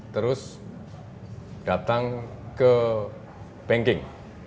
terus datang ke banking